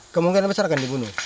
kemungkinan besar akan dibunuh